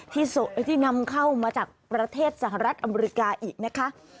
ที่นำเข้ามาจากประเทศสหรัฐอเมริกาอีกนะคะ